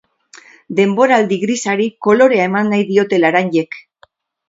Denboraldi grisari kolorea eman nahi diote laranjek.